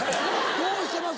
どうしてます？